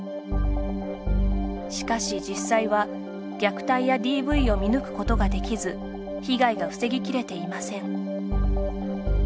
しかし、実際は虐待やＤＶを見抜くことができず被害が防ぎきれていません。